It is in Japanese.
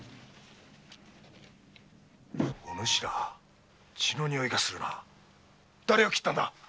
お主ら血のにおいがするなだれを斬ったんだ？